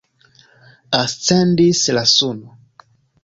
Ascendis la suno.